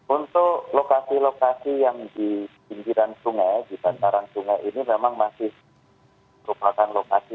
untuk lokasi lokasi yang di pinggiran sungai di santaran sungai ini memang masih